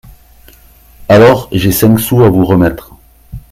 Alors, j’ai cinq sous à vous remettre…